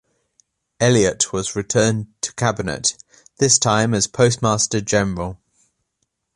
Elliott was returned to Cabinet, this time as Postmaster-General.